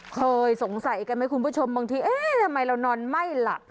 เคยสงสัยกันไหมคุณผู้ชมบางทีเอ๊ะทำไมเรานอนไม่หลับ